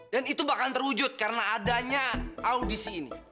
dan itu bakal terwujud karena adanya audisi ini